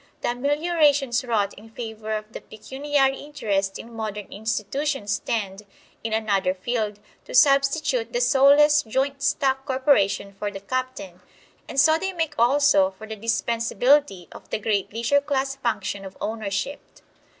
The ameliorations wrought in favor of the pecuniary interest in modern institutions tend, in another field, to substitute the "soulless" joint stock corporation for the captain, and so they make also for the dispensability, of the great leisure class function of ownership.